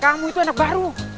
kamu itu anak baru